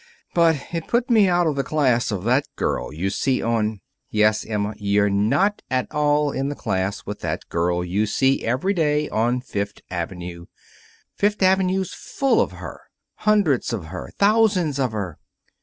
But it put me out of the class of that girl you see on " "Yes, Emma; you're not at all in the class with that girl you see every day on Fifth Avenue. Fifth Avenue's full of her hundreds of her, thousands of her.